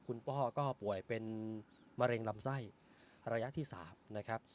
คุณพ่อก็ป่วยเป็นมะเร็งลำไส้ระยะที่๓นะครับ